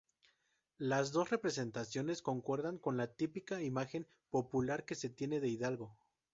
Las dos representaciones concuerdan con la típica imagen popular que se tiene de Hidalgo.